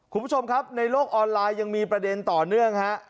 คุณผู้ชมครับในโลกออนไลน์ยังมีประเด็นต่อเนื่องฮะ